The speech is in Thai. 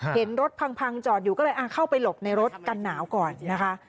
เห็นรถพังจอดอยู่ก็เลยเข้าไปหลบในรถกันหนาวก่อนนะคะ